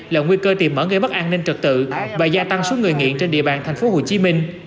là nguy cơ tìm mở ngay bất an ninh trật tự và gia tăng số người nghiện trên địa bàn tp hcm